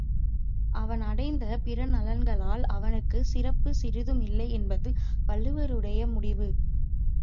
அவன் அடைந்த பிறநலன்களால் அவனுக்குச் சிறப்புச் சிறிதுமில்லை என்பது வள்ளுவருடைய முடிவு.